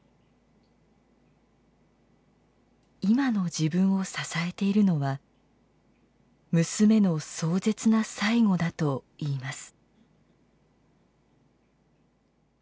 今の自分を支えているのは娘の壮絶な最期だといいます。